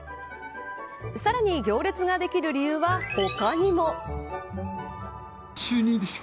さらに行列ができる理由は他にも。